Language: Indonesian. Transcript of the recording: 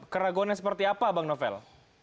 keraguan yang seperti apa bang novel